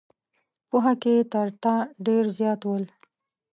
پوهه کې تر تا ډېر زیات ول.